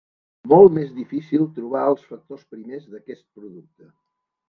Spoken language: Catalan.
En canvi, és molt més difícil trobar els factors primers d'aquest producte.